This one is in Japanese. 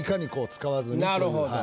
はい。